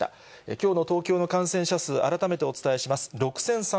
きょうの東京の感染者数、改めてお伝えします